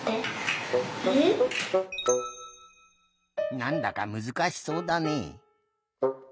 なんだかむずかしそうだね。